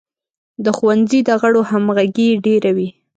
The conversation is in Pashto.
د ښوونځي د غړو همغږي ډیره وي.